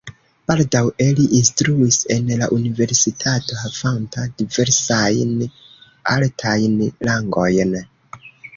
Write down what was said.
Baldaŭe li instruis en la universitato havanta diversajn altajn rangojn.